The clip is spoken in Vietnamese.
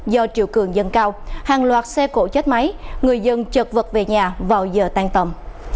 do triệu cường dân cao hàng loạt xe cổ chết máy người dân trợt vật về nhà vào giờ tan tầm